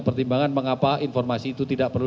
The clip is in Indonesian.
pertimbangan mengapa informasi itu tidak perlu